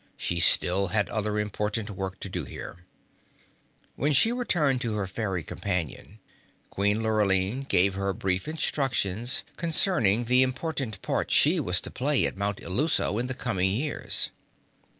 She still had other important work to do here. When she returned to her fairy companion, Queen Lurline gave her brief instructions concerning the important part she was to play at Mount Illuso in the coming years.